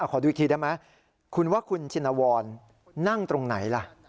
ขอดูอีกทีได้ไหมคุณว่าคุณชินวรนั่งตรงไหนล่ะ